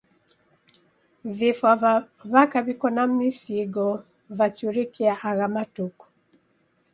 Vifwa va w'aka w'iko na misigo vachurukie agha matuku.